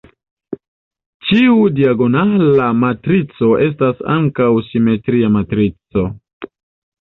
Ĉiu diagonala matrico estas ankaŭ simetria matrico.